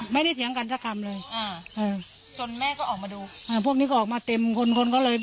ไม่ได้เสียงกันสักคำเลย